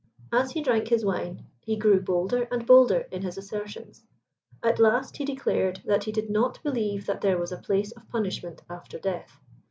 As he drank his wine he grew bolder and bolder in his assertions. At last he declared that he did not believe that there was a place of punishment after death.